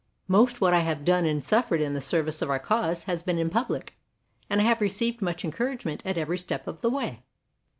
Most that I have done and suf fered in the service of our cause has been in public, and I have received much encourage ment at every step of the way.